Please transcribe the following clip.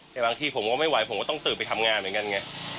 แต่บางทีผมก็ไม่ไหวผมก็ต้องตื่นไปทำงานเหมือนกันไง